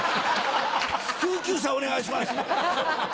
救急車お願いします。